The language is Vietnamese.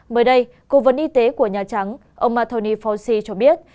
mới đây cố vấn y tế của nhà trắng ông anthony fauci cho biết